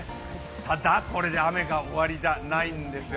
ただ、これで雨が終わりじゃないんですよ。